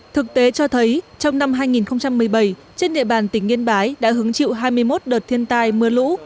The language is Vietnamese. thực tế cho thấy trong năm hai nghìn một mươi bảy trên địa bàn tỉnh yên bái đã hứng chịu hai mươi một đợt thiên tai mưa lũ